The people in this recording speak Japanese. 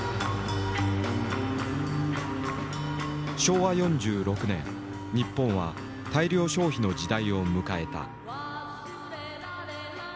昭和４６年日本は大量消費の時代を迎えた。